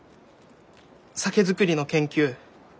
酒造りの研究